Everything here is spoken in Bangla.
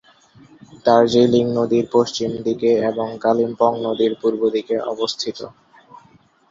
দার্জিলিং নদীর পশ্চিম দিকে এবং কালিম্পং নদীর পূর্ব দিকে অবস্থিত।